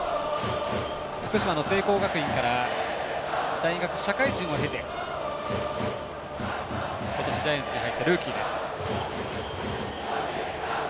福島の聖光学院から大学、社会人を経て今年、ジャイアンツに入ったルーキーです。